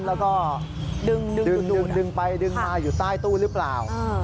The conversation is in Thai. แล้วก็ดึงไปดึงมาอยู่ใต้ตู้หรือเปล่า